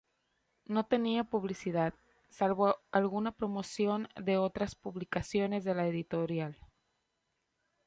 No tenía publicidad salvo alguna promoción de otras publicaciones de la editorial.